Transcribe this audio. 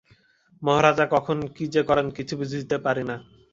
মহারাজা কখন কী যে করেন, কিছু বুঝিতে পারি না।